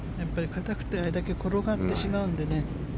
硬くてあれだけ転がってしまうんでね。